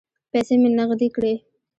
پیسې مې نغدې کړې.